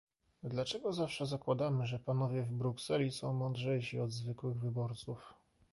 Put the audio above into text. Dlaczego zawsze zakładamy, że panowie w Brukseli są mądrzejsi od zwykłych wyborców?